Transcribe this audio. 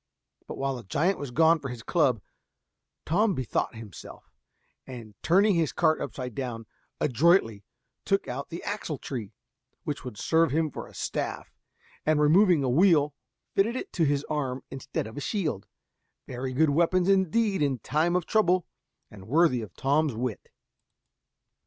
But while the giant was gone for his club, Tom bethought himself, and turning his cart upside down, adroitly took out the axletree, which would serve him for a staff, and removing a wheel, fitted it to his arm instead of a shield very good weapons indeed in time of trouble, and worthy of Tom's wit.